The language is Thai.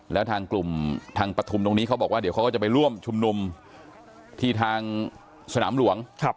แล้วทางกลุ่มทางปฐุมตรงนี้เขาบอกว่าเดี๋ยวเขาก็จะไปร่วมชุมนุมที่ทางสนามหลวง